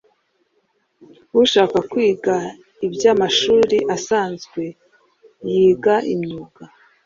udashaka kwiga iby’amashuri asanzwe yiga imyuga